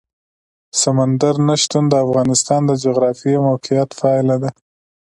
سمندر نه شتون د افغانستان د جغرافیایي موقیعت پایله ده.